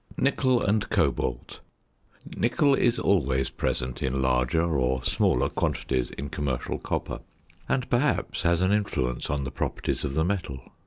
~Nickel and Cobalt.~ Nickel is always present in larger or smaller quantities in commercial copper, and, perhaps, has an influence on the properties of the metal.